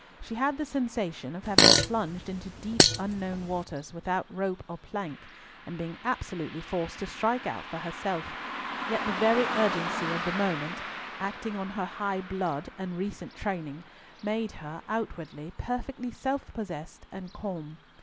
She had the sensation of having plunged into deep, unknown waters, without rope or plank, and being absolutely forced to strike out for herself; yet the very urgency of the moment, acting on her high blood and recent training, made her, outwardly, perfectly self possessed and calm.